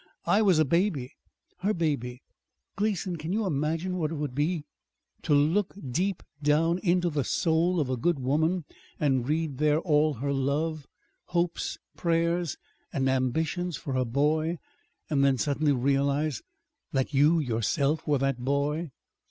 I was a baby her baby. Gleason, can you imagine what it would be to look deep down into the soul of a good woman and read there all her love, hopes, prayers, and ambitions for her boy and then suddenly realize that you yourself were that boy?"